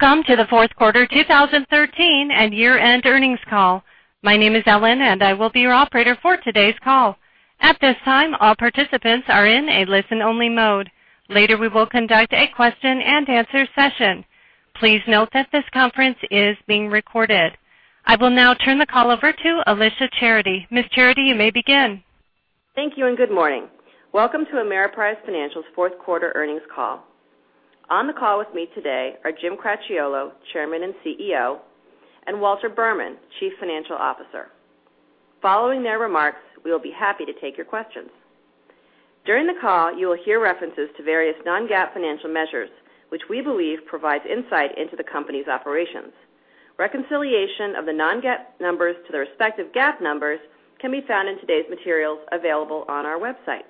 Welcome to the fourth quarter 2013 and year-end earnings call. My name is Ellen, and I will be your operator for today's call. At this time, all participants are in a listen-only mode. Later, we will conduct a question-and-answer session. Please note that this conference is being recorded. I will now turn the call over to Alicia Charity. Ms. Charity, you may begin. Thank you, and good morning. Welcome to Ameriprise Financial's fourth quarter earnings call. On the call with me today are Jim Cracchiolo, Chairman and CEO, and Walter Berman, Chief Financial Officer. Following their remarks, we will be happy to take your questions. During the call, you will hear references to various non-GAAP financial measures, which we believe provides insight into the company's operations. Reconciliation of the non-GAAP numbers to their respective GAAP numbers can be found in today's materials available on our website.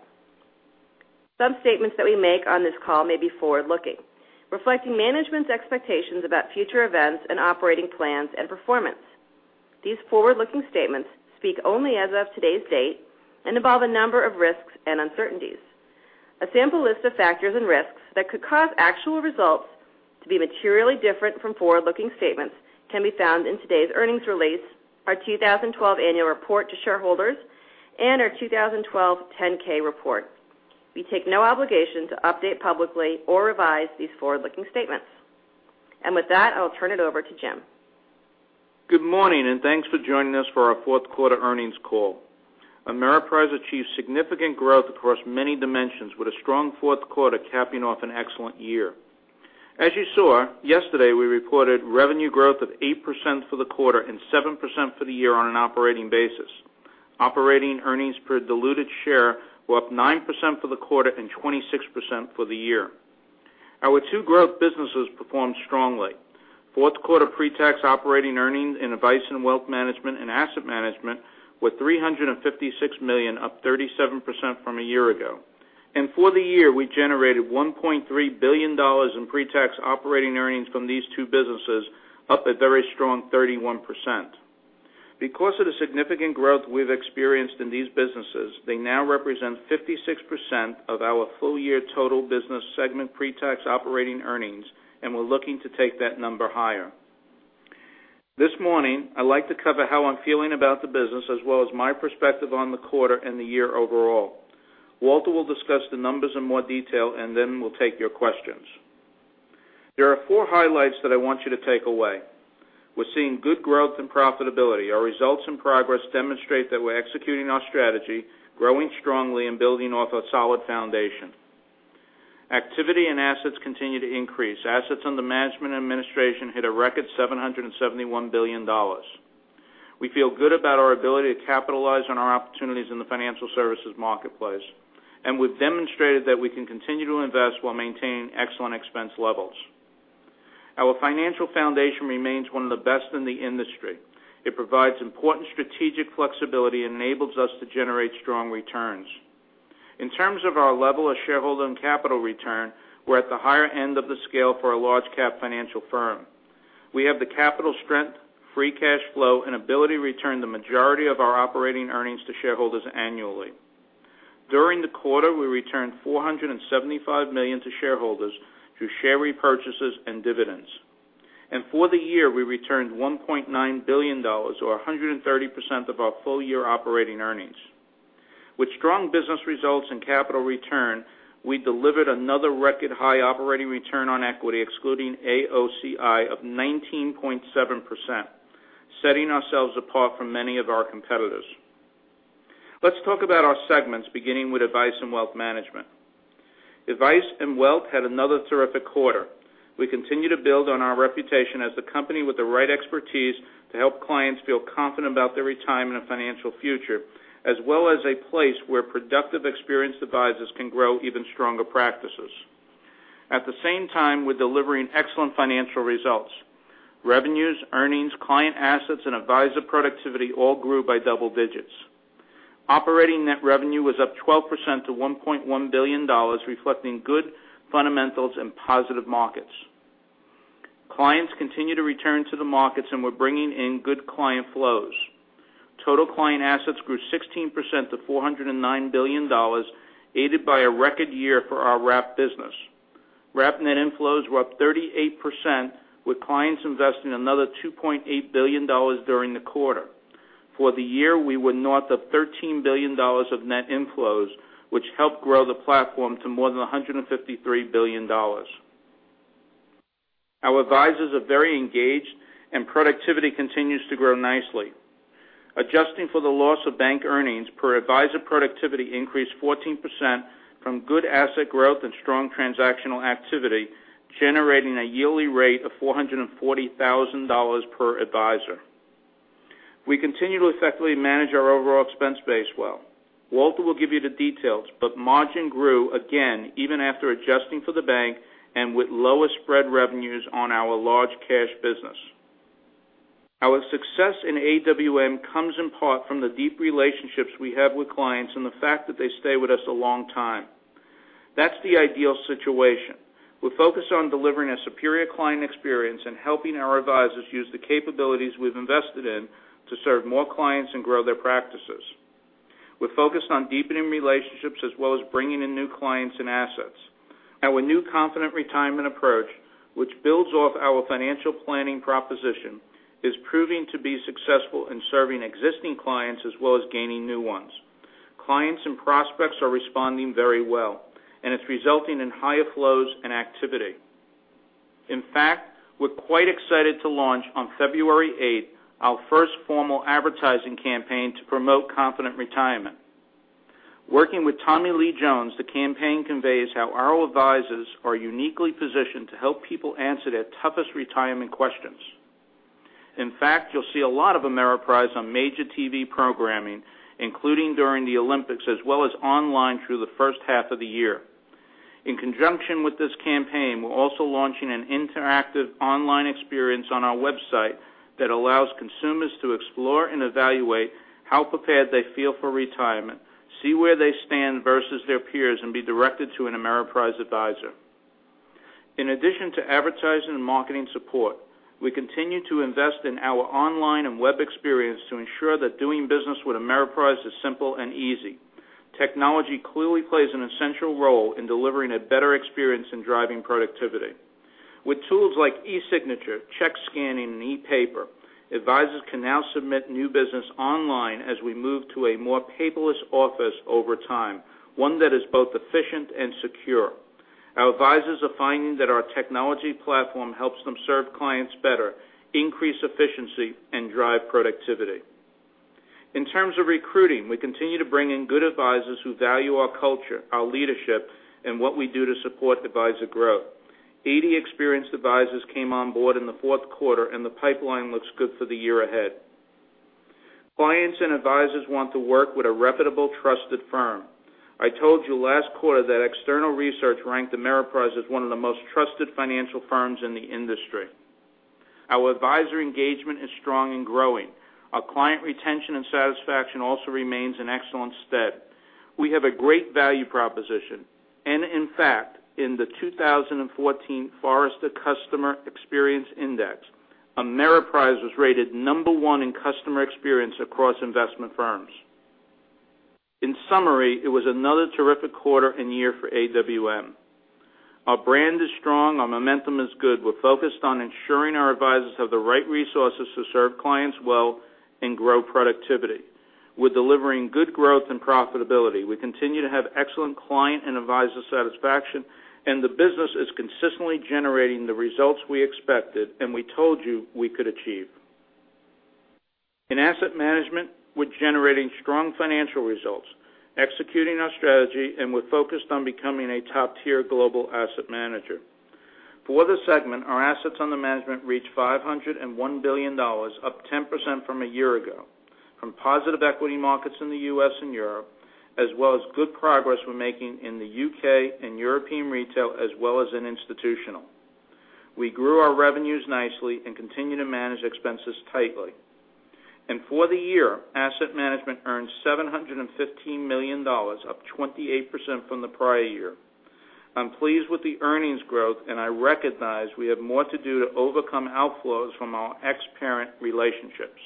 Some statements that we make on this call may be forward-looking, reflecting management's expectations about future events and operating plans and performance. These forward-looking statements speak only as of today's date and involve a number of risks and uncertainties. A sample list of factors and risks that could cause actual results to be materially different from forward-looking statements can be found in today's earnings release, our 2012 annual report to shareholders, and our 2012 10-K report. We take no obligation to update publicly or revise these forward-looking statements. With that, I'll turn it over to Jim. Good morning, and thanks for joining us for our fourth quarter earnings call. Ameriprise achieved significant growth across many dimensions with a strong fourth quarter capping off an excellent year. As you saw, yesterday we reported revenue growth of 8% for the quarter and 7% for the year on an operating basis. Operating earnings per diluted share were up 9% for the quarter and 26% for the year. Our two growth businesses performed strongly. Fourth quarter pre-tax operating earnings in Advice & Wealth Management and asset management were $356 million, up 37% from a year ago. For the year, we generated $1.3 billion in pre-tax operating earnings from these two businesses, up a very strong 31%. Because of the significant growth we've experienced in these businesses, they now represent 56% of our full-year total business segment pre-tax operating earnings, and we're looking to take that number higher. This morning, I'd like to cover how I'm feeling about the business, as well as my perspective on the quarter and the year overall. Then we'll take your questions. Walter Berman will discuss the numbers in more detail. There are four highlights that I want you to take away. We're seeing good growth and profitability. Our results and progress demonstrate that we're executing our strategy, growing strongly, and building off a solid foundation. Activity and assets continue to increase. Assets under management and administration hit a record $771 billion. We feel good about our ability to capitalize on our opportunities in the financial services marketplace. We've demonstrated that we can continue to invest while maintaining excellent expense levels. Our financial foundation remains one of the best in the industry. It provides important strategic flexibility and enables us to generate strong returns. In terms of our level of shareholder and capital return, we're at the higher end of the scale for a large cap financial firm. We have the capital strength, free cash flow, ability to return the majority of our operating earnings to shareholders annually. During the quarter, we returned $475 million to shareholders through share repurchases and dividends. For the year, we returned $1.9 billion, or 130% of our full-year operating earnings. With strong business results and capital return, we delivered another record-high operating return on equity, excluding AOCI, of 19.7%, setting ourselves apart from many of our competitors. Let's talk about our segments, beginning with Advice & Wealth Management. Advice & Wealth Management had another terrific quarter. We continue to build on our reputation as the company with the right expertise to help clients feel confident about their retirement and financial future, as well as a place where productive, experienced advisors can grow even stronger practices. At the same time, we're delivering excellent financial results. Revenues, earnings, client assets, advisor productivity all grew by double digits. Operating net revenue was up 12% to $1.1 billion, reflecting good fundamentals and positive markets. Clients continue to return to the markets. We're bringing in good client flows. Total client assets grew 16% to $409 billion, aided by a record year for our wrap business. Wrap net inflows were up 38%, with clients investing another $2.8 billion during the quarter. For the year, we were north of $13 billion of net inflows, which helped grow the platform to more than $153 billion. Our advisors are very engaged. Productivity continues to grow nicely. Adjusting for the loss of bank earnings per advisor productivity increased 14% from good asset growth and strong transactional activity, generating a yearly rate of $440,000 per advisor. We continue to effectively manage our overall expense base well. Walter Berman will give you the details. Margin grew again, even after adjusting for the bank. With lower spread revenues on our large cash business. Our success in AWM comes in part from the deep relationships we have with clients. The fact that they stay with us a long time. That's the ideal situation. We're focused on delivering a superior client experience and helping our advisors use the capabilities we've invested in to serve more clients and grow their practices. We're focused on deepening relationships as well as bringing in new clients and assets. Our new Confident Retirement approach, which builds off our financial planning proposition, is proving to be successful in serving existing clients as well as gaining new ones. Clients and prospects are responding very well, and it's resulting in higher flows and activity. In fact, we're quite excited to launch on February 8th our first formal advertising campaign to promote Confident Retirement. Working with Tommy Lee Jones, the campaign conveys how our advisors are uniquely positioned to help people answer their toughest retirement questions. In fact, you'll see a lot of Ameriprise on major TV programming, including during the Olympics, as well as online through the first half of the year. In conjunction with this campaign, we're also launching an interactive online experience on our website that allows consumers to explore and evaluate how prepared they feel for retirement, see where they stand versus their peers, and be directed to an Ameriprise advisor. In addition to advertising and marketing support, we continue to invest in our online and web experience to ensure that doing business with Ameriprise is simple and easy. Technology clearly plays an essential role in delivering a better experience in driving productivity. With tools like e-signature, check scanning, and e-paper, advisors can now submit new business online as we move to a more paperless office over time, one that is both efficient and secure. Our advisors are finding that our technology platform helps them serve clients better, increase efficiency, and drive productivity. In terms of recruiting, we continue to bring in good advisors who value our culture, our leadership, and what we do to support advisor growth. 80 experienced advisors came on board in the fourth quarter, and the pipeline looks good for the year ahead. Clients and advisors want to work with a reputable, trusted firm. I told you last quarter that external research ranked Ameriprise as one of the most trusted financial firms in the industry. Our advisor engagement is strong and growing. Our client retention and satisfaction also remains an excellent stead. We have a great value proposition, and in fact, in the 2014 Forrester Customer Experience Index, Ameriprise was rated number one in customer experience across investment firms. In summary, it was another terrific quarter and year for AWM. Our brand is strong. Our momentum is good. We're focused on ensuring our advisors have the right resources to serve clients well and grow productivity. We're delivering good growth and profitability. We continue to have excellent client and advisor satisfaction, and the business is consistently generating the results we expected and we told you we could achieve. In asset management, we're generating strong financial results, executing our strategy, and we're focused on becoming a top-tier global asset manager. For the segment, our assets under management reached $501 billion, up 10% from a year ago, from positive equity markets in the U.S. and Europe, as well as good progress we're making in the U.K. and European retail, as well as in institutional. We grew our revenues nicely and continue to manage expenses tightly. For the year, asset management earned $715 million, up 28% from the prior year. I'm pleased with the earnings growth, I recognize we have more to do to overcome outflows from our ex-parent relationships.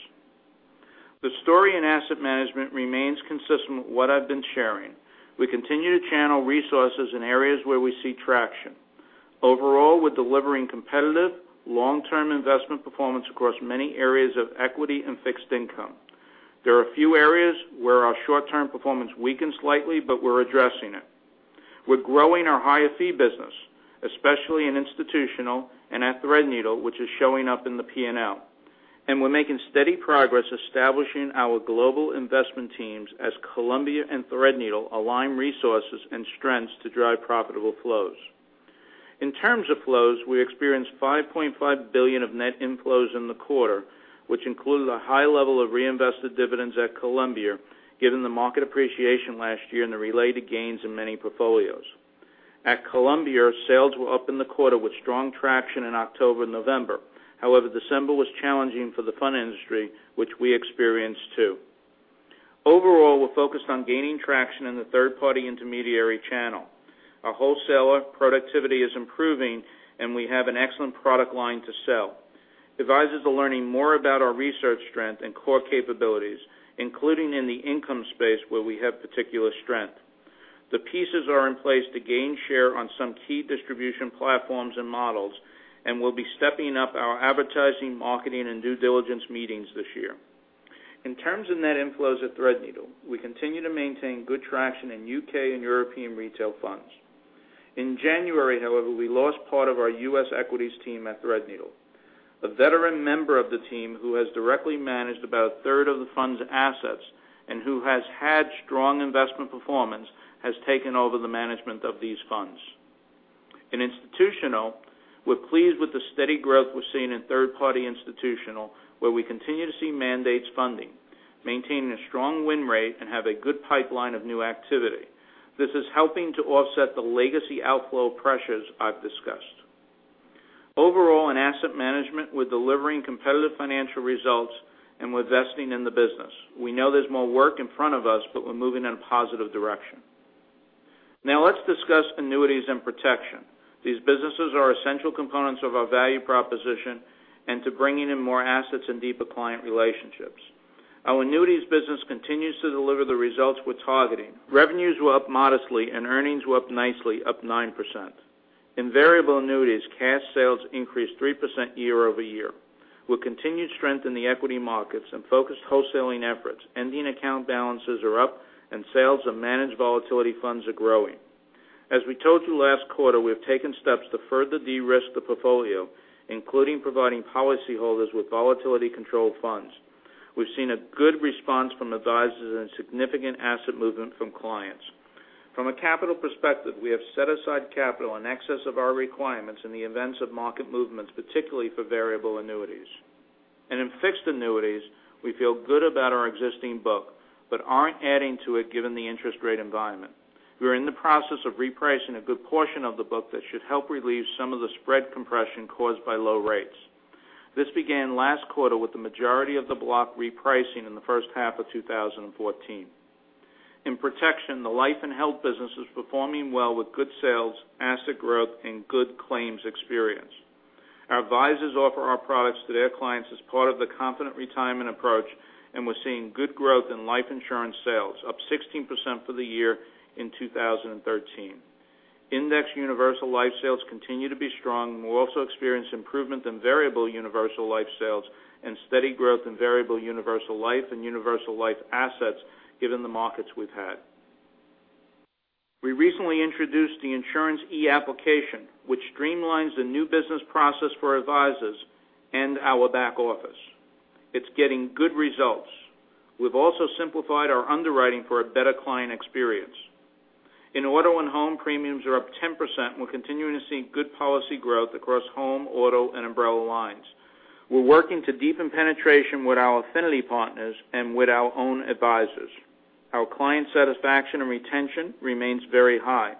The story in asset management remains consistent with what I've been sharing. We continue to channel resources in areas where we see traction. Overall, we're delivering competitive long-term investment performance across many areas of equity and fixed income. There are a few areas where our short-term performance weakened slightly, but we're addressing it. We're growing our higher fee business, especially in institutional and at Threadneedle, which is showing up in the P&L. We're making steady progress establishing our global investment teams as Columbia and Threadneedle align resources and strengths to drive profitable flows. In terms of flows, we experienced $5.5 billion of net inflows in the quarter, which included a high level of reinvested dividends at Columbia, given the market appreciation last year and the related gains in many portfolios. At Columbia, sales were up in the quarter with strong traction in October and November. December was challenging for the fund industry, which we experienced too. Overall, we're focused on gaining traction in the third-party intermediary channel. Our wholesaler productivity is improving, we have an excellent product line to sell. Advisors are learning more about our research strength and core capabilities, including in the income space where we have particular strength. The pieces are in place to gain share on some key distribution platforms and models, we'll be stepping up our advertising, marketing, and due diligence meetings this year. In terms of net inflows at Threadneedle, we continue to maintain good traction in U.K. and European retail funds. In January, we lost part of our U.S. equities team at Threadneedle. A veteran member of the team who has directly managed about a third of the fund's assets and who has had strong investment performance has taken over the management of these funds. In institutional, we're pleased with the steady growth we're seeing in third-party institutional, where we continue to see mandates funding, maintaining a strong win rate and have a good pipeline of new activity. This is helping to offset the legacy outflow pressures I've discussed. Overall, in asset management, we're delivering competitive financial results, we're investing in the business. We know there's more work in front of us, we're moving in a positive direction. Now let's discuss annuities and protection. These businesses are essential components of our value proposition and to bringing in more assets and deeper client relationships. Our annuities business continues to deliver the results we're targeting. Revenues were up modestly, earnings were up nicely, up 9%. In variable annuities, cash sales increased 3% year-over-year. With continued strength in the equity markets and focused wholesaling efforts, ending account balances are up and sales of managed volatility funds are growing. As we told you last quarter, we have taken steps to further de-risk the portfolio, including providing policy holders with volatility control funds. We've seen a good response from advisors and significant asset movement from clients. From a capital perspective, we have set aside capital in excess of our requirements in the events of market movements, particularly for variable annuities. In fixed annuities, we feel good about our existing book, but aren't adding to it, given the interest rate environment. We're in the process of repricing a good portion of the book that should help relieve some of the spread compression caused by low rates. This began last quarter with the majority of the block repricing in the first half of 2014. In protection, the life and health business is performing well with good sales, asset growth and good claims experience. Our advisors offer our products to their clients as part of the Confident Retirement approach, and we're seeing good growth in life insurance sales, up 16% for the year in 2013. Indexed universal life sales continue to be strong. We'll also experience improvement in variable universal life sales and steady growth in variable universal life and universal life assets, given the markets we've had. We recently introduced the insurance e-application, which streamlines the new business process for advisors and our back office. It's getting good results. We've also simplified our underwriting for a better client experience. In auto and home, premiums are up 10%, and we're continuing to see good policy growth across home, auto, and umbrella lines. We're working to deepen penetration with our affinity partners and with our own advisors. Our client satisfaction and retention remains very high.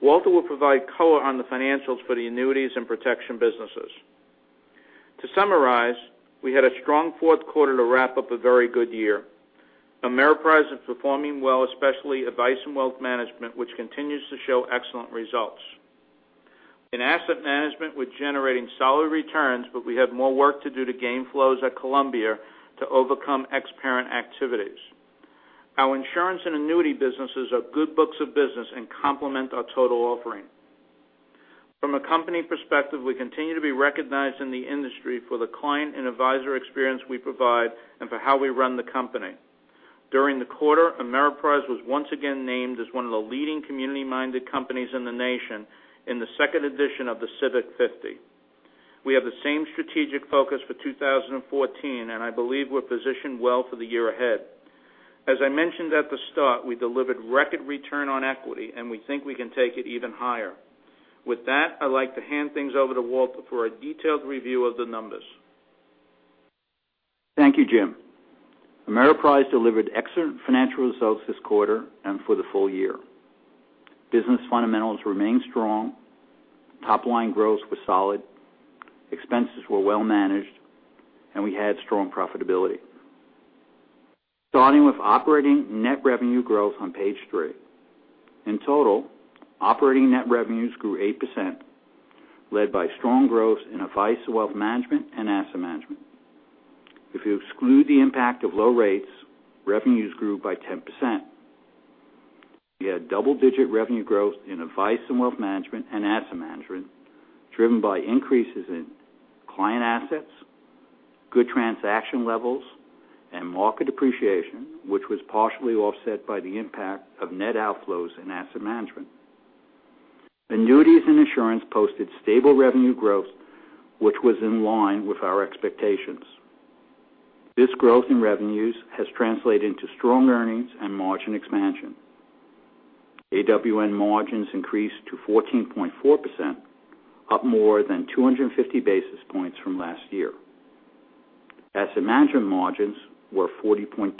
Walter will provide color on the financials for the annuities and protection businesses. To summarize, we had a strong fourth quarter to wrap up a very good year. Ameriprise is performing well, especially Advice & Wealth Management, which continues to show excellent results. In Asset Management, we're generating solid returns, but we have more work to do to gain flows at Columbia to overcome ex-parent activities. Our insurance and annuity businesses are good books of business and complement our total offering. From a company perspective, we continue to be recognized in the industry for the client and advisor experience we provide and for how we run the company. During the quarter, Ameriprise was once again named as one of the leading community-minded companies in the nation in the second edition of The Civic 50. We have the same strategic focus for 2014, and I believe we're positioned well for the year ahead. As I mentioned at the start, we delivered record return on equity, and we think we can take it even higher. With that, I'd like to hand things over to Walter for a detailed review of the numbers. Thank you, Jim. Ameriprise delivered excellent financial results this quarter and for the full year. Business fundamentals remained strong, top-line growth was solid, expenses were well managed, and we had strong profitability. Starting with operating net revenue growth on page three. In total, operating net revenues grew 8%, led by strong growth in Advice & Wealth Management and Asset Management. If you exclude the impact of low rates, revenues grew by 10%. We had double-digit revenue growth in Advice & Wealth Management and Asset Management, driven by increases in client assets, good transaction levels, and market appreciation, which was partially offset by the impact of net outflows in Asset Management. Annuities and insurance posted stable revenue growth, which was in line with our expectations. This growth in revenues has translated into strong earnings and margin expansion. AWM margins increased to 14.4%, up more than 250 basis points from last year. Asset Management margins were 40.2%.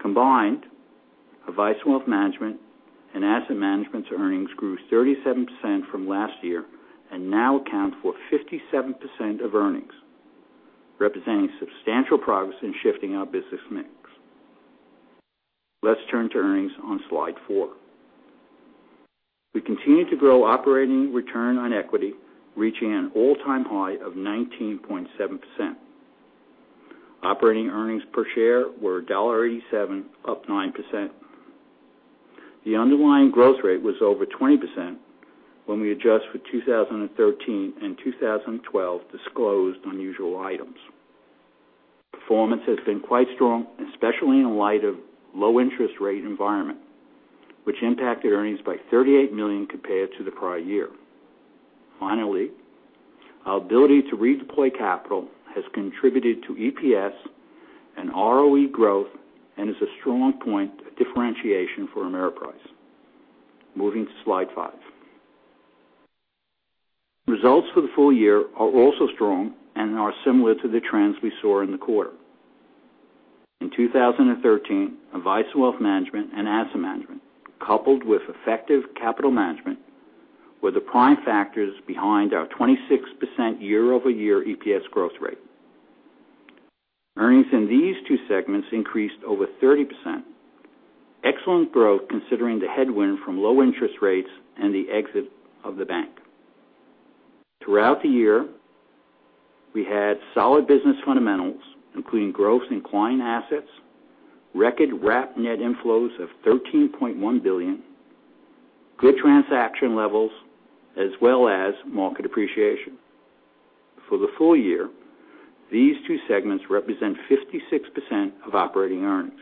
Combined, Advice & Wealth Management and Asset Management's earnings grew 37% from last year and now account for 57% of earnings, representing substantial progress in shifting our business mix. Let's turn to earnings on slide four. We continue to grow operating return on equity, reaching an all-time high of 19.7%. Operating earnings per share were $1.87, up 9%. The underlying growth rate was over 20% when we adjust for 2013 and 2012 disclosed unusual items. Performance has been quite strong, especially in light of low interest rate environment, which impacted earnings by $38 million compared to the prior year. Finally, our ability to redeploy capital has contributed to EPS and ROE growth and is a strong point of differentiation for Ameriprise. Moving to slide five. Results for the full year are also strong and are similar to the trends we saw in the quarter. In 2013, Advice & Wealth Management and Asset Management, coupled with effective capital management, were the prime factors behind our 26% year-over-year EPS growth rate. Earnings in these two segments increased over 30%. Excellent growth, considering the headwind from low interest rates and the exit of the bank. Throughout the year, we had solid business fundamentals, including growth in client assets, record wrap net inflows of $13.1 billion, good transaction levels, as well as market appreciation. For the full year, these two segments represent 56% of operating earnings.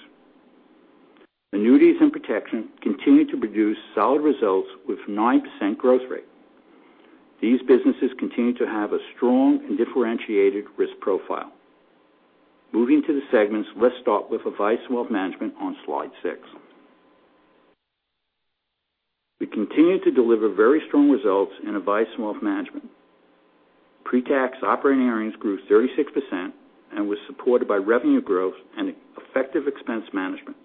Annuities and protection continued to produce solid results with 9% growth rate. These businesses continue to have a strong and differentiated risk profile. Moving to the segments, let's start with Advice & Wealth Management on slide six. We continued to deliver very strong results in Advice & Wealth Management. Pre-tax operating earnings grew 36% and was supported by revenue growth and effective expense management.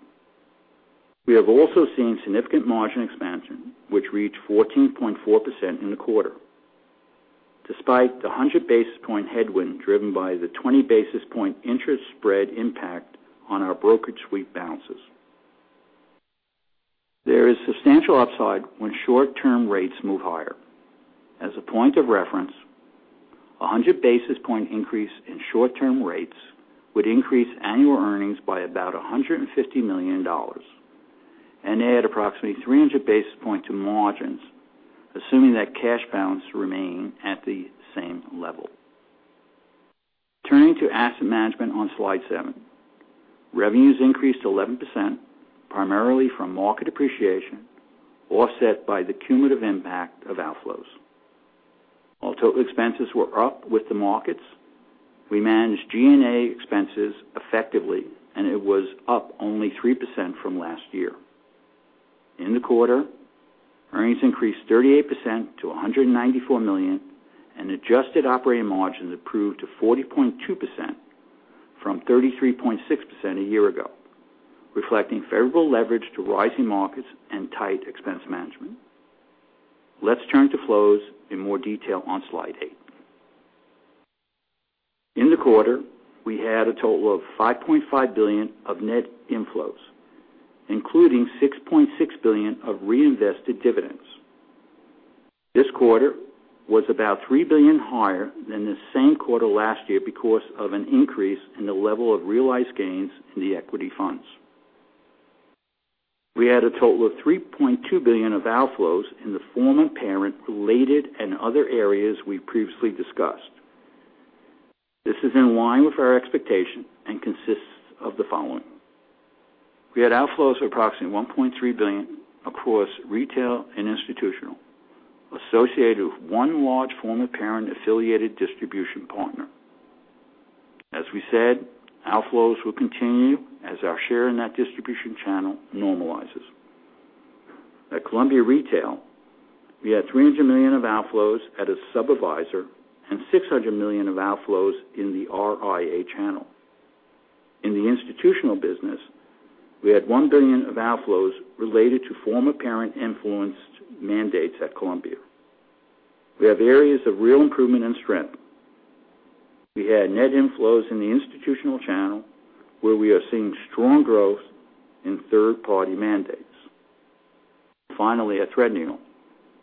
We have also seen significant margin expansion, which reached 14.4% in the quarter, despite the 100-basis point headwind driven by the 20-basis point interest spread impact on our brokerage sweep balances. There is substantial upside when short-term rates move higher. As a point of reference, 100-basis point increase in short-term rates would increase annual earnings by about $150 million and add approximately 300 basis point to margins, assuming that cash balance remain at the same level. Turning to Asset Management on slide seven. Revenues increased to 11%, primarily from market appreciation, offset by the cumulative impact of outflows. While total expenses were up with the markets, we managed G&A expenses effectively, and it was up only 3% from last year. In the quarter, earnings increased 38% to $194 million, and adjusted operating margins improved to 40.2% from 33.6% a year ago, reflecting favorable leverage to rising markets and tight expense management. Let's turn to flows in more detail on slide eight. In the quarter, we had a total of $5.5 billion of net inflows, including $6.6 billion of reinvested dividends. This quarter was about $3 billion higher than the same quarter last year because of an increase in the level of realized gains in the equity funds. We had a total of $3.2 billion of outflows in the former parent related and other areas we previously discussed. This is in line with our expectation and consists of the following. We had outflows of approximately $1.3 billion across retail and institutional associated with one large former parent-affiliated distribution partner. As we said, outflows will continue as our share in that distribution channel normalizes. At Columbia Retail, we had $300 million of outflows at a sub-advisor and $600 million of outflows in the RIA channel. In the institutional business, we had $1 billion of outflows related to former parent influenced mandates at Columbia. We have areas of real improvement and strength. We had net inflows in the institutional channel where we are seeing strong growth in third-party mandates. Finally, at Threadneedle,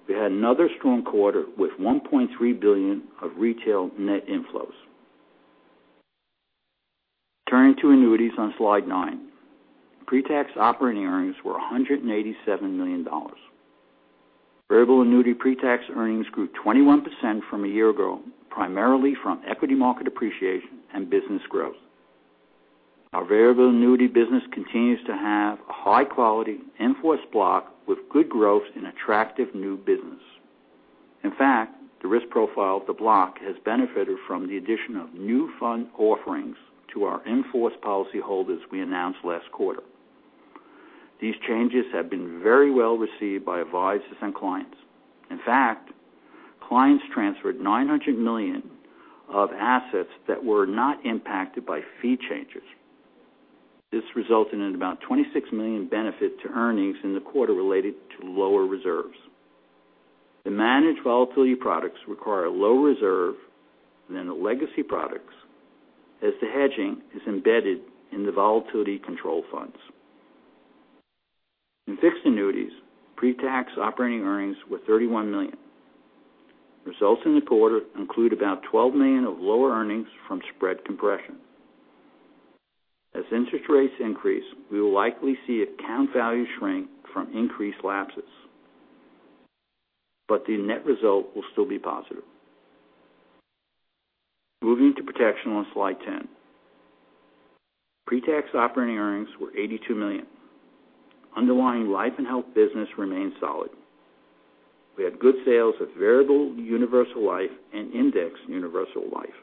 we had another strong quarter with $1.3 billion of retail net inflows. Turning to annuities on slide nine. Pre-tax operating earnings were $187 million. Variable annuity pre-tax earnings grew 21% from a year ago, primarily from equity market appreciation and business growth. Our variable annuity business continues to have a high quality in-force block with good growth in attractive new business. In fact, the risk profile of the block has benefited from the addition of new fund offerings to our in-force policyholders we announced last quarter. These changes have been very well received by advisors and clients. In fact, clients transferred $900 million of assets that were not impacted by fee changes. This resulted in about $26 million benefit to earnings in the quarter related to lower reserves. The managed volatility funds require a lower reserve than the legacy products, as the hedging is embedded in the volatility control funds. In fixed annuities, pre-tax operating earnings were $31 million. Results in the quarter include about $12 million of lower earnings from spread compression. As interest rates increase, we will likely see account value shrink from increased lapses, but the net result will still be positive. Moving to protection on slide 10. Pre-tax operating earnings were $82 million. Underlying life and health business remains solid. We had good sales of variable universal life and indexed universal life.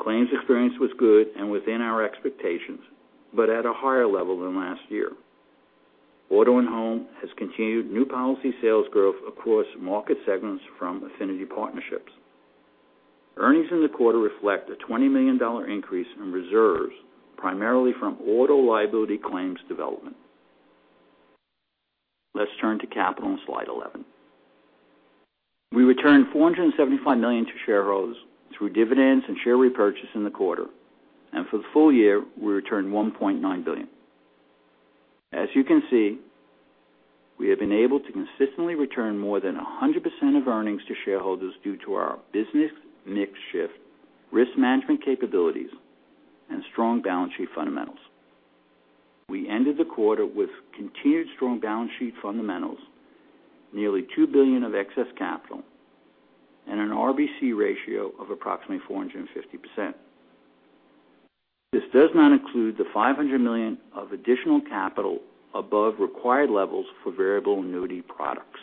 Claims experience was good and within our expectations, but at a higher level than last year. Auto and home has continued new policy sales growth across market segments from affinity partnerships. Earnings in the quarter reflect a $20 million increase in reserves, primarily from auto liability claims development. On slide 11. We returned $475 million to shareholders through dividends and share repurchase in the quarter. For the full year, we returned $1.9 billion. As you can see, we have been able to consistently return more than 100% of earnings to shareholders due to our business mix shift, risk management capabilities, and strong balance sheet fundamentals. We ended the quarter with continued strong balance sheet fundamentals, nearly $2 billion of excess capital, and an RBC ratio of approximately 450%. This does not include the $500 million of additional capital above required levels for variable annuity products.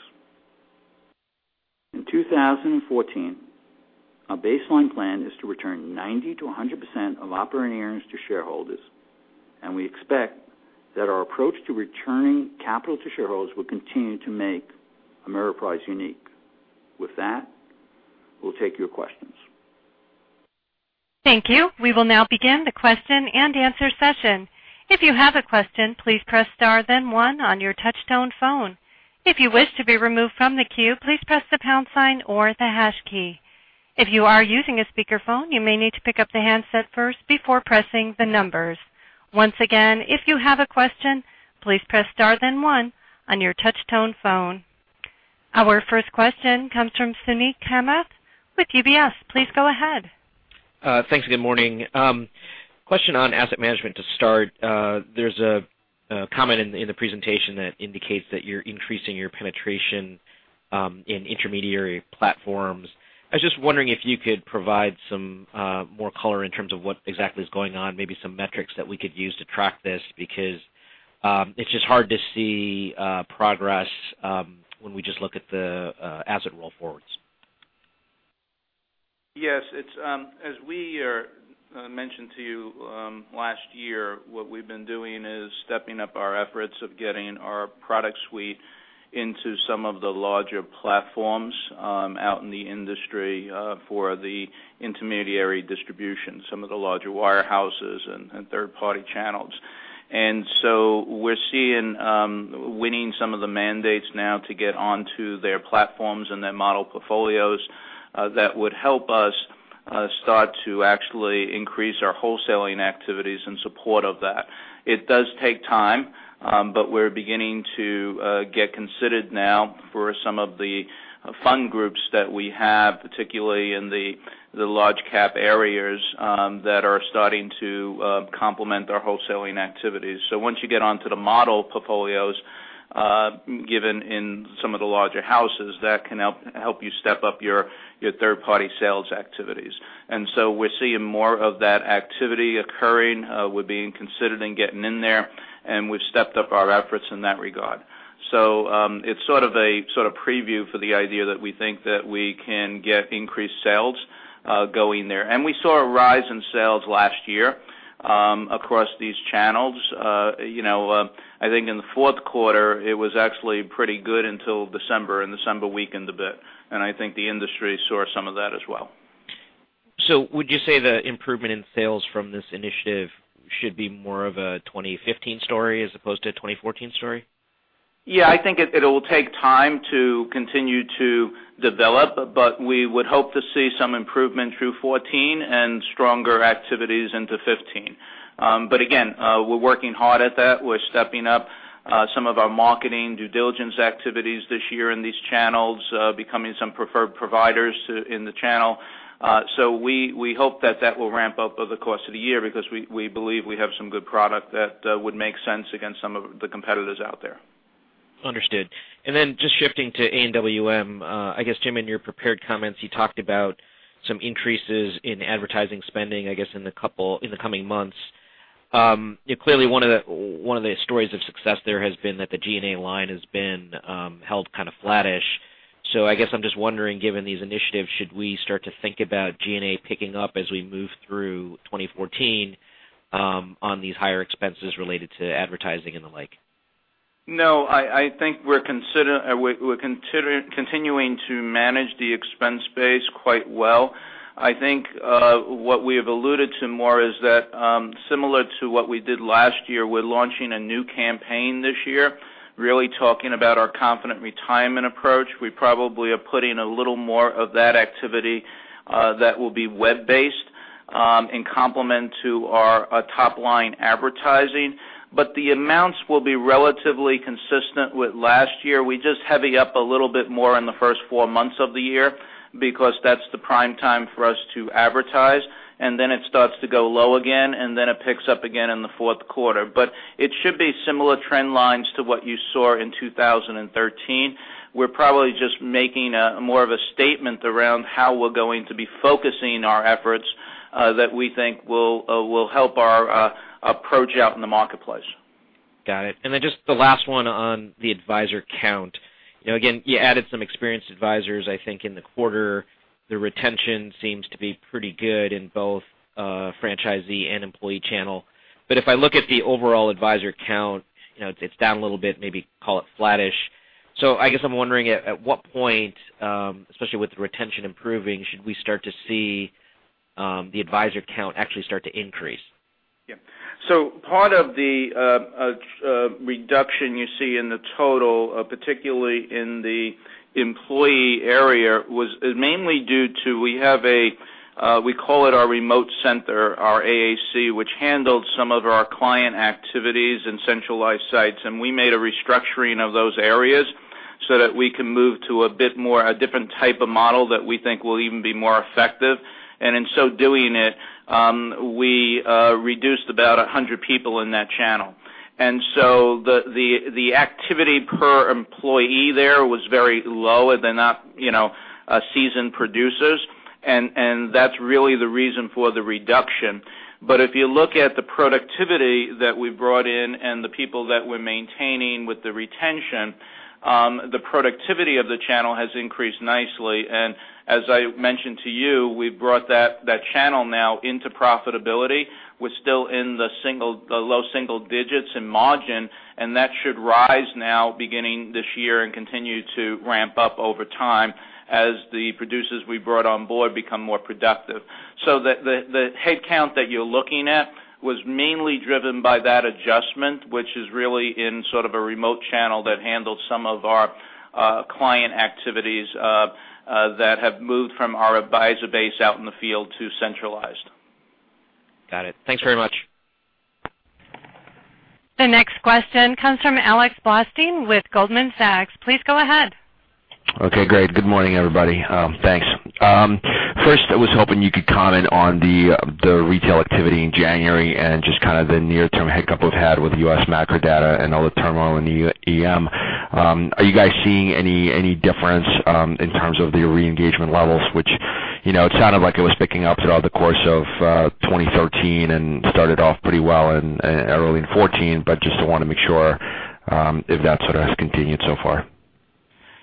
In 2014, our baseline plan is to return 90%-100% of operating earnings to shareholders, and we expect that our approach to returning capital to shareholders will continue to make Ameriprise unique. With that, we'll take your questions. Thank you. We will now begin the question and answer session. If you have a question, please press star then one on your touch tone phone. If you wish to be removed from the queue, please press the pound sign or the hash key. If you are using a speakerphone, you may need to pick up the handset first before pressing the numbers. Once again, if you have a question, please press star then one on your touch tone phone. Our first question comes from Suneet Kamath with UBS. Please go ahead. Thanks. Good morning. Question on asset management to start. There's a comment in the presentation that indicates that you're increasing your penetration in intermediary platforms. I was just wondering if you could provide some more color in terms of what exactly is going on, maybe some metrics that we could use to track this, because it's just hard to see progress when we just look at the asset roll forwards. Yes. As we mentioned to you last year, what we've been doing is stepping up our efforts of getting our product suite into some of the larger platforms out in the industry for the intermediary distribution, some of the larger wirehouses and third-party channels. We're seeing winning some of the mandates now to get onto their platforms and their model portfolios that would help us start to actually increase our wholesaling activities in support of that. It does take time, but we're beginning to get considered now for some of the fund groups that we have, particularly in the large cap areas, that are starting to complement our wholesaling activities. Once you get onto the model portfolios given in some of the larger houses, that can help you step up your third-party sales activities. We're seeing more of that activity occurring. We're being considered and getting in there, we've stepped up our efforts in that regard. It's sort of a preview for the idea that we think that we can get increased sales going there. We saw a rise in sales last year across these channels. I think in the fourth quarter it was actually pretty good until December weakened a bit, I think the industry saw some of that as well. Would you say the improvement in sales from this initiative should be more of a 2015 story as opposed to a 2014 story? I think it'll take time to continue to develop, but we would hope to see some improvement through 2014 and stronger activities into 2015. Again, we're working hard at that. We're stepping up some of our marketing due diligence activities this year in these channels, becoming some preferred providers in the channel. We hope that that will ramp up over the course of the year because we believe we have some good product that would make sense against some of the competitors out there. Understood. Just shifting to AWM. I guess, Jim, in your prepared comments, you talked about some increases in advertising spending, I guess, in the coming months. Clearly one of the stories of success there has been that the G&A line has been held kind of flattish. I guess I'm just wondering, given these initiatives, should we start to think about G&A picking up as we move through 2014 on these higher expenses related to advertising and the like? I think we're continuing to manage the expense base quite well. I think what we have alluded to more is that similar to what we did last year, we're launching a new campaign this year, really talking about our Confident Retirement approach. We probably are putting a little more of that activity that will be web-based in complement to our top-line advertising. The amounts will be relatively consistent with last year. We just heavy up a little bit more in the first four months of the year because that's the prime time for us to advertise, and then it starts to go low again, and then it picks up again in the fourth quarter. It should be similar trend lines to what you saw in 2013. We're probably just making more of a statement around how we're going to be focusing our efforts that we think will help our approach out in the marketplace. Got it. Just the last one on the advisor count. Again, you added some experienced advisors, I think, in the quarter. The retention seems to be pretty good in both franchisee and employee channel. If I look at the overall advisor count, it's down a little bit, maybe call it flattish. I guess I'm wondering, at what point, especially with the retention improving, should we start to see the advisor count actually start to increase? Yeah. Part of the reduction you see in the total, particularly in the employee area, was mainly due to our remote center, our AAC, which handled some of our client activities in centralized sites. We made a restructuring of those areas so that we can move to a different type of model that we think will even be more effective. In so doing it, we reduced about 100 people in that channel. The activity per employee there was very low. They're not seasoned producers. That's really the reason for the reduction. If you look at the productivity that we brought in and the people that we're maintaining with the retention, the productivity of the channel has increased nicely. As I mentioned to you, we've brought that channel now into profitability. We're still in the low single digits in margin, that should rise now beginning this year and continue to ramp up over time as the producers we brought on board become more productive. The headcount that you're looking at was mainly driven by that adjustment, which is really in sort of a remote channel that handles some of our client activities that have moved from our advisor base out in the field to centralized. Got it. Thanks very much. The next question comes from Alex Blostein with Goldman Sachs. Please go ahead. Okay, great. Good morning, everybody. Thanks. First, I was hoping you could comment on the retail activity in January and just kind of the near-term hiccup we've had with the U.S. macro data and all the turmoil in the EM. Are you guys seeing any difference in terms of the re-engagement levels? Which, it sounded like it was picking up throughout the course of 2013 and started off pretty well early in 2014, just want to make sure if that sort of has continued so far.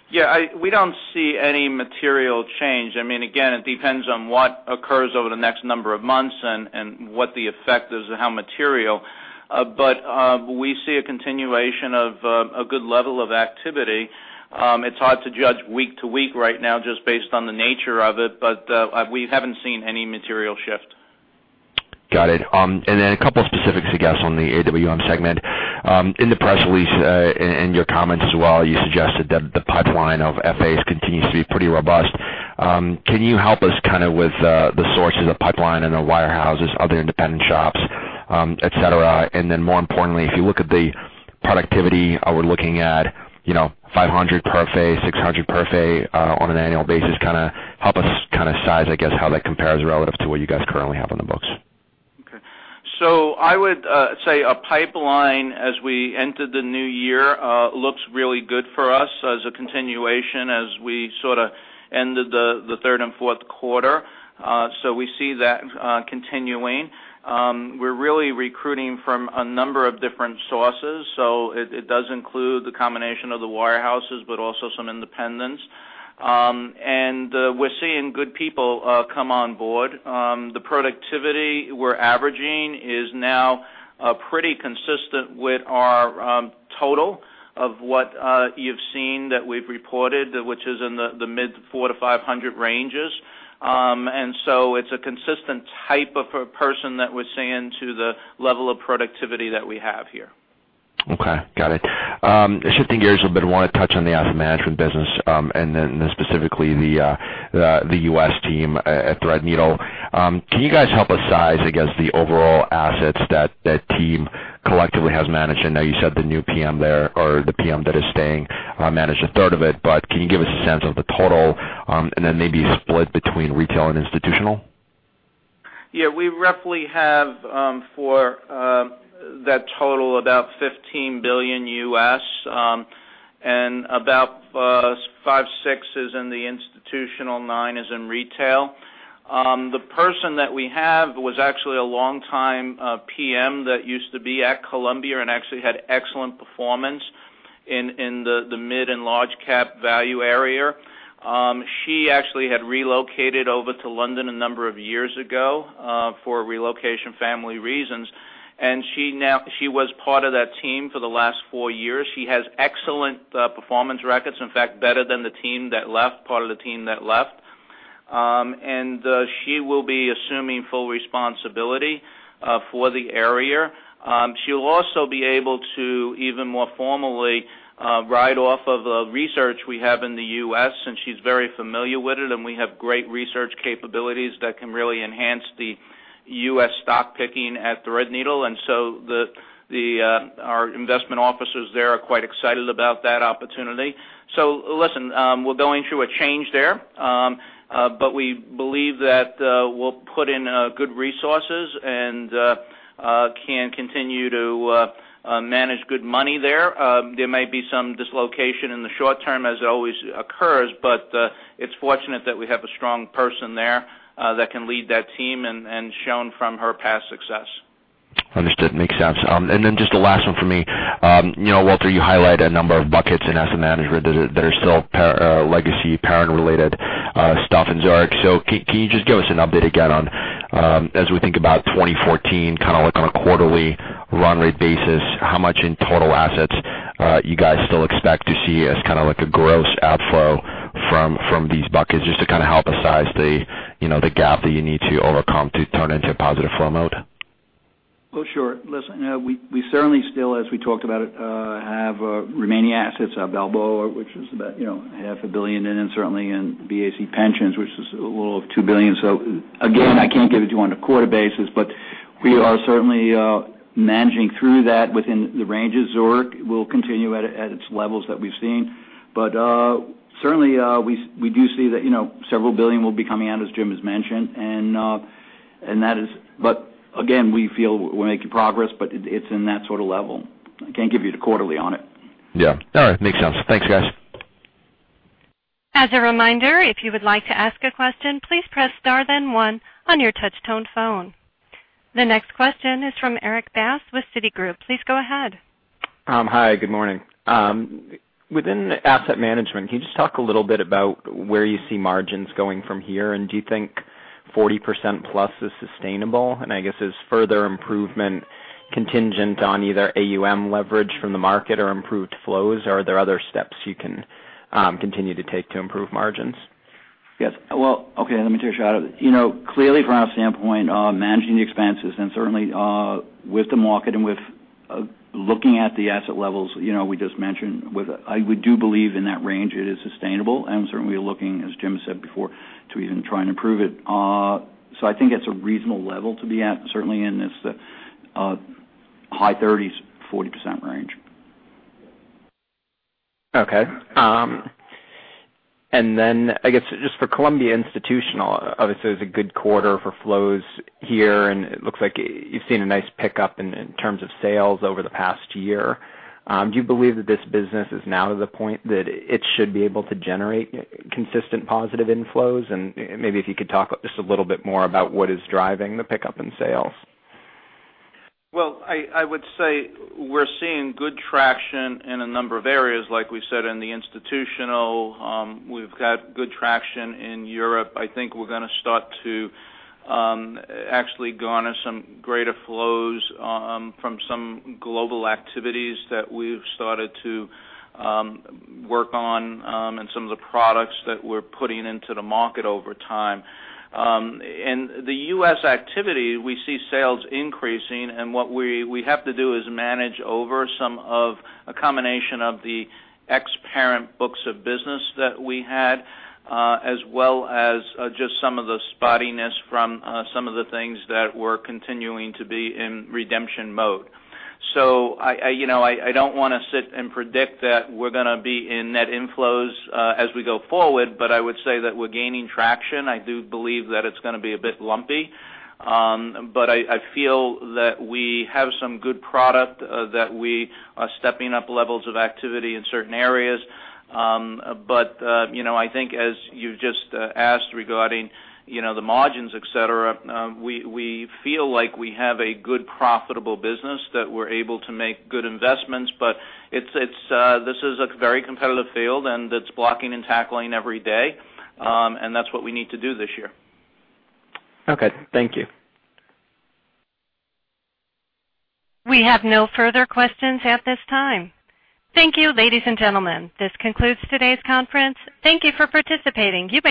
Yeah, we don't see any material change. Again, it depends on what occurs over the next number of months and what the effect is and how material. We see a continuation of a good level of activity. It's hard to judge week to week right now just based on the nature of it, but we haven't seen any material shift. Got it. A couple specifics, I guess, on the AWM segment. In the press release, in your comments as well, you suggested that the pipeline of FAs continues to be pretty robust. Can you help us with the sources of pipeline and the wirehouses, other independent shops, et cetera? More importantly, if you look at the productivity, are we looking at $500 per FA, $600 per FA on an annual basis? Help us size, I guess, how that compares relative to what you guys currently have on the books. Okay. I would say our pipeline, as we entered the new year looks really good for us as a continuation as we sort of ended the third and fourth quarter. We see that continuing. We're really recruiting from a number of different sources. It does include the combination of the wirehouses, but also some independents. We're seeing good people come on board. The productivity we're averaging is now pretty consistent with our total of what you've seen that we've reported, which is in the mid $400 to $500 ranges. It's a consistent type of person that we're seeing to the level of productivity that we have here. Okay. Got it. Shifting gears a bit, I want to touch on the asset management business. Specifically the U.S. team at Threadneedle. Can you guys help us size, I guess, the overall assets that team collectively has managed? I know you said the new PM there, or the PM that is staying, managed a third of it, but can you give us a sense of the total, and then maybe split between retail and institutional? We roughly have for that total about $15 billion, and about $5 billion, $6 billion is in the institutional, $9 billion is in retail. The person that we have was actually a long time PM that used to be at Columbia, and actually had excellent performance in the mid and large cap value area. She actually had relocated over to London a number of years ago for relocation, family reasons. She was part of that team for the last four years. She has excellent performance records. In fact, better than the team that left. She will be assuming full responsibility for the area. She'll also be able to even more formally ride off of research we have in the U.S., since she's very familiar with it, and we have great research capabilities that can really enhance the U.S. stock picking at Threadneedle. Our investment officers there are quite excited about that opportunity. Listen, we're going through a change there. We believe that we'll put in good resources, and can continue to manage good money there. There may be some dislocation in the short term, as always occurs, but it's fortunate that we have a strong person there that can lead that team and shown from her past success. Understood. Makes sense. Then just the last one for me. Walter, you highlight a number of buckets in asset management that are still legacy parent-related stuff in Zurich. Can you just give us an update again on, as we think about 2014, kind of like on a quarterly run rate basis, how much in total assets you guys still expect to see as kind of like a gross outflow? From these buckets, just to kind of help us size the gap that you need to overcome to turn into a positive flow mode. Oh, sure. Listen, we certainly still, as we talked about it, have remaining assets of Balboa, which is about half a billion, then certainly in BAC Pensions, which is a little over $2 billion. Again, I can't give it to you on a quarter basis, but we are certainly managing through that within the ranges. Zurich will continue at its levels that we've seen. Certainly, we do see that several billion will be coming out, as Jim has mentioned. Again, we feel we're making progress, but it's in that sort of level. I can't give you the quarterly on it. Yeah. All right. Makes sense. Thanks, guys. As a reminder, if you would like to ask a question, please press star then one on your touch tone phone. The next question is from Erik Bass with Citigroup. Please go ahead. Hi, good morning. Within asset management, can you just talk a little bit about where you see margins going from here? Do you think 40% plus is sustainable? I guess is further improvement contingent on either AUM leverage from the market or improved flows? Are there other steps you can continue to take to improve margins? Yes. Well, okay. Let me take a shot at it. Clearly from our standpoint on managing the expenses and certainly with the market and with looking at the asset levels we just mentioned, we do believe in that range it is sustainable, and certainly we're looking, as Jim said before, to even try and improve it. I think it's a reasonable level to be at, certainly in this high thirties, 40% range. Okay. I guess just for Columbia Institutional, obviously it was a good quarter for flows here, it looks like you've seen a nice pickup in terms of sales over the past year. Do you believe that this business is now to the point that it should be able to generate consistent positive inflows? Maybe if you could talk just a little bit more about what is driving the pickup in sales. I would say we're seeing good traction in a number of areas. We said, in the institutional, we've got good traction in Europe. I think we're going to start to actually garner some greater flows from some global activities that we've started to work on and some of the products that we're putting into the market over time. In the U.S. activity, we see sales increasing, and what we have to do is manage over a combination of the ex parent books of business that we had, as well as just some of the spottiness from some of the things that were continuing to be in redemption mode. I don't want to sit and predict that we're going to be in net inflows as we go forward, but I would say that we're gaining traction. I do believe that it's going to be a bit lumpy. I feel that we have some good product that we are stepping up levels of activity in certain areas. I think as you just asked regarding the margins, et cetera, we feel like we have a good profitable business that we're able to make good investments. This is a very competitive field, and it's blocking and tackling every day. That's what we need to do this year. Okay. Thank you. We have no further questions at this time. Thank you, ladies and gentlemen. This concludes today's conference. Thank you for participating. You may disconnect.